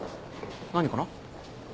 何かな？